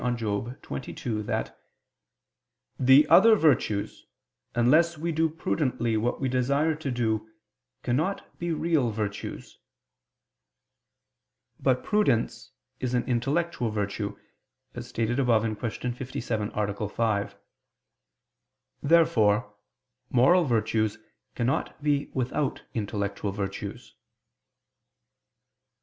xxii) that "the other virtues, unless we do prudently what we desire to do, cannot be real virtues." But prudence is an intellectual virtue, as stated above (Q. 57, A. 5). Therefore moral virtues cannot be without intellectual virtues.